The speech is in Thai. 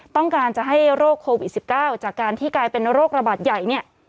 ต้องการจะให้โรคโควิด๑๙จากการที่กลายเป็นโรคระบาดใหญ่เนี่ย